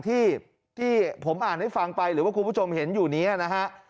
ที่ผมอ่านให้ฟังไปหรือว่าคุณผู้ชมเห็นอยู่นี้นะฮะ